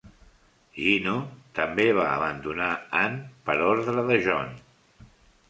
Gino també va abandonar Ann per ordre de John.